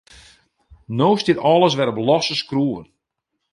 No stiet alles wer op losse skroeven.